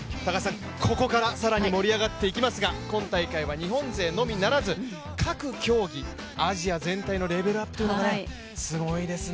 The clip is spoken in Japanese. ここから更に盛り上がっていきますが、今大会は日本勢のみならず、各競技アジア全体のレベルアップというのもすごいですね。